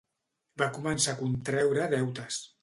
Va començar a contreure deutes